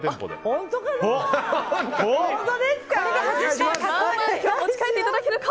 本当ですか？